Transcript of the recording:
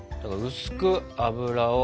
薄く油を。